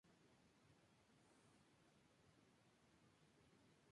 Obras suyas se han publicado en diversas revistas y libros especializados.